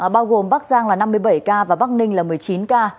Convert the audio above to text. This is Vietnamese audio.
bao gồm bắc giang là năm mươi bảy ca và bắc ninh là một mươi chín ca